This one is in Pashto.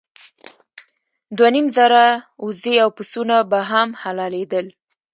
دوه نیم زره اوزې او پسونه به هم حلالېدل.